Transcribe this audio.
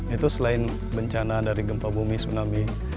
itu selain bencana dari gempa bumi tsunami